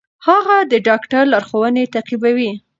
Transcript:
هغه د ډاکټر لارښوونې تعقیبوي.